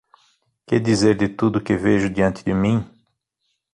Que dizer de tudo que vejo diante de mim?